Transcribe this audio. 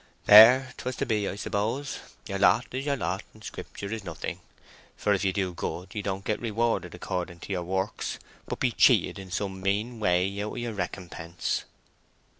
"There, 'twas to be, I suppose. Your lot is your lot, and Scripture is nothing; for if you do good you don't get rewarded according to your works, but be cheated in some mean way out of your recompense."